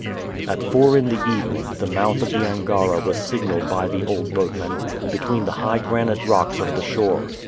At four in the evening, the mouth of the Angara was signaled by the old boatman, between the high granite rocks of the shore.